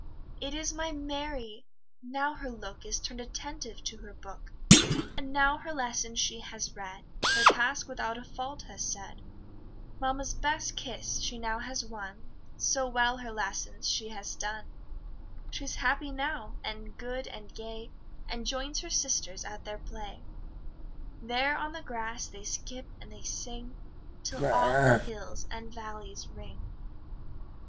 It is my Mary! now her look Is turn'd attentive to her book, And now her lesson she has read, Her task without a fault has said, Mamma's best kiss she now has won, So well her lessons she has done: [Illustration: to face pa. 5 Mary's Lesson] She's happy now, and good and gay, And joins her sisters at their play; There on the grass they skip, they sing, Till all the hills and valleys ring.